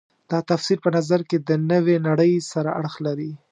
دا تفسیر په نظر کې د نوې نړۍ سره اړخ لري.